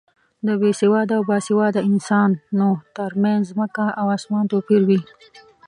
د بې سواده او با سواده انسانو تر منځ ځمکه او اسمان توپیر وي.